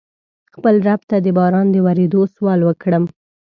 خپل رب ته د باران د ورېدو سوال وکړم.